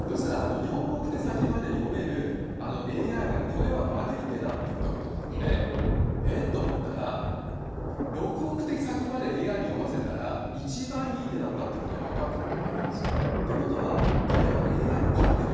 ４億手先まで読めるＡＩが、これは悪い手だっていったことがあって、えっ？と思ったら、６億手先までＡＩに読ませたら、一番いい手だったということが分かったことがあったんですよ。